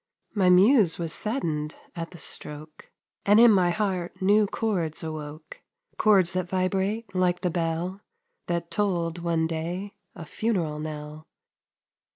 My muse was saddened at the stroke, And in my heart new chords awoke, Chords that vibrate like the bell That tolled one day a funeral knell.